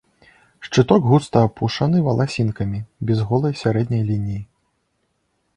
Шчыток густа апушаны валасінкамі, без голай сярэдняй лініі.